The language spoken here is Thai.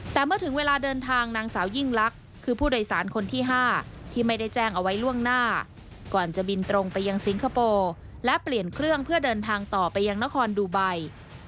แต่เมื่อถึงเวลาเดินทางนางสาวยิ่งลักษณ์คือผู้โดยสารคนที่๕ที่ไม่ได้แจ้งเอาไว้ล่วงหน้าก่อนจะบินตรงไปยังสิงคโปร์และเปลี่ยนเครื่องเพื่อเดินทางต่อไปยังนครดูไบ